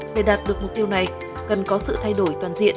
để đạt được mục tiêu này cần có sự thay đổi toàn diện